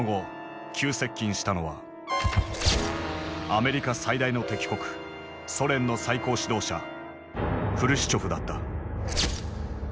アメリカ最大の敵国ソ連の最高指導者フルシチョフだった。